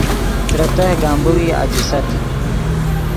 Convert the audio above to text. ترے تہہ گمبورئی اَجیست